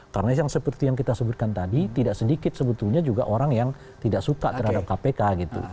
karena yang seperti yang kita sebutkan tadi tidak sedikit sebetulnya juga orang yang tidak suka terhadap kpk gitu